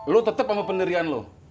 lu tetep sama pendirian lu